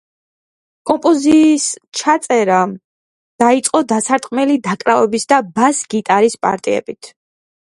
კომპოზიის ჩაწერა დაიწყო დასარტყმელი საკრავების და ბას-გიტარის პარტიებით.